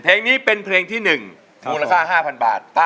เพลงนี้เป็นเพลงที่๑มูลค่า๕๐๐๐บาท